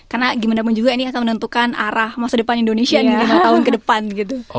karena gimana pun juga ini akan menentukan arah masa depan indonesia lima tahun ke depan gitu